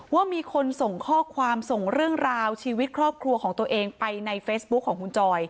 ว่ามีคนส่งข้อความส่งเรื่องราวชีวิตครอบครัวของตัวเองไปในเฟซบุ๊คของคุณจอย